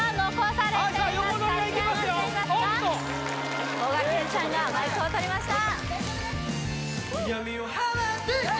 おっとこがけんさんがマイクを取りました